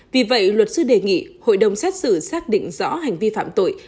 vì vậy luật sư đề nghị hội đồng xét xử xác định rõ hành vi phạm tội